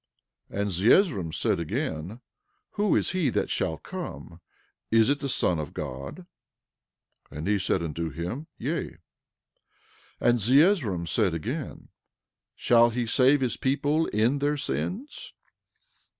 11:32 And Zeezrom said again: Who is he that shall come? Is it the Son of God? 11:33 And he said unto him, Yea. 11:34 And Zeezrom said again: Shall he save his people in their sins?